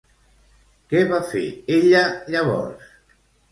Què va fer ella llavors?